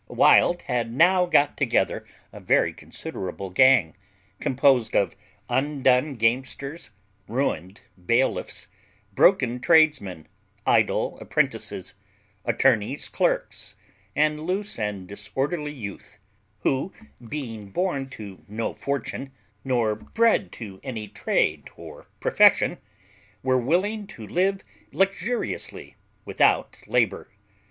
Wild had now got together a very considerable gang, composed of undone gamesters, ruined bailiffs, broken tradesmen, idle apprentices, attorneys' clerks, and loose and disorderly youth, who, being born to no fortune, nor bred to any trade or profession, were willing to live luxuriously without labour.